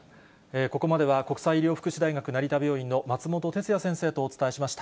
ここまでは国際医療福祉大学成田病院の松本哲哉先生とお伝えしました。